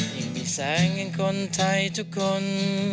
ยิ่งมีแสงแห่งคนไทยทุกคน